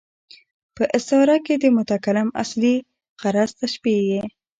په استعاره کښي د متکلم اصلي غرض تشبېه يي.